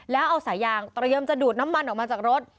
แล้วเอาสายยางเตรียมจะดูดน้ำมันออกมาจากรถ